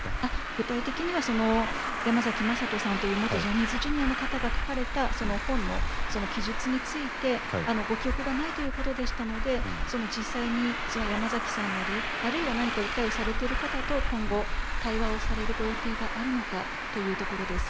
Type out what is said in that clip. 具体的にはやまざきまさとさんという元ジャニーズＪｒ．の方が書かれた本の記述について、ご記憶がないということでしたので、実際にやまざきさんなり、あるいは何か訴えをされてる方と今後、対話をされるご予定があるのかというところです。